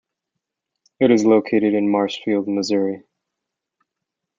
It is located in Marshfield, Missouri.